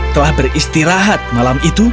telah beristirahat malam itu